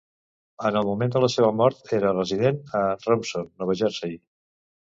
En el moment de la seva mort, era resident a Rumson, Nova Jersey.